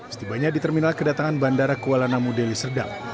setibanya di terminal kedatangan bandara kuala namu deli serdang